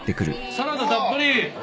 「サラダたっぷり！」